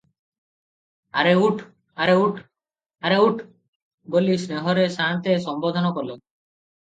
'ଆରେ ଉଠ୍, ଆରେ ଉଠ, ଆରେ ଉଠ୍' ବୋଲି ସ୍ନେହରେ ସାଆନ୍ତେ ସମ୍ବୋଧନ କଲେ ।